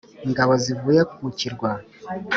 Ingabo zivuye mu kirwa.